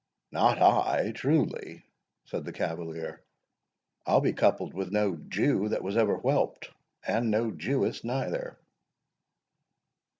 "Not I, truly," said the cavalier; "I'll be coupled with no Jew that was ever whelped, and no Jewess neither."